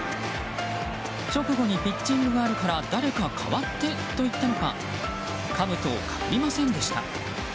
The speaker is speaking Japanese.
直後にピッチングがあるから誰か代わってと言ったのかかぶとをかぶりませんでした。